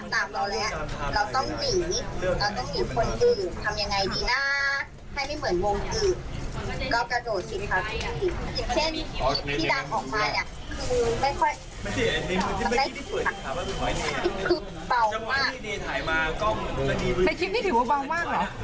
ใช่ค่ะพี่มีเยอะกว่านี้ค่ะ